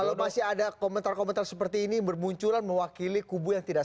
kalau masih ada komentar komentar seperti ini bermunculan mewakili kubu yang tidak